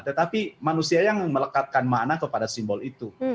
tetapi manusia yang melekatkan makna kepada simbol itu